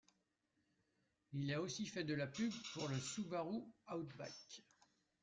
Il a aussi fait de la pub pour le Subaru Outback.